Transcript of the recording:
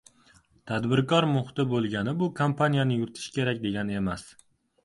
Tadbirkor muhiti boʻlgani bu kompaniyani yuritish kerak degani emas.